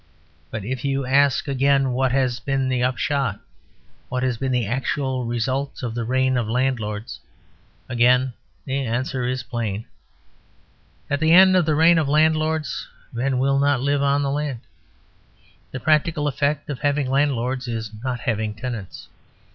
But if you ask again what has been the upshot, what has been the actual result of the reign of landlords, again the answer is plain. At the end of the reign of landlords men will not live on the land. The practical effect of having landlords is not having tenants.